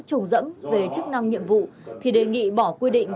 trùng dẫm về chức năng nhiệm vụ thì đề nghị bỏ quy định